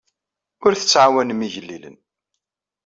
Ur tettɛawanem igellilen.